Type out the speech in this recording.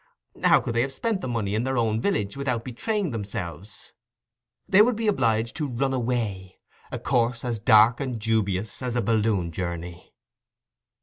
How could they have spent the money in their own village without betraying themselves? They would be obliged to "run away"—a course as dark and dubious as a balloon journey.